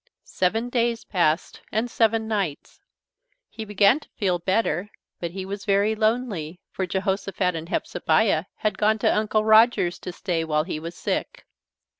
Seven days passed and seven nights. He began to feel better, but he was very lonely, for Jehosophat and Hepzebiah had gone to Uncle Roger's to stay while he was sick.